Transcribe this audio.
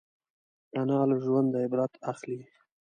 انا له ژونده عبرت اخلي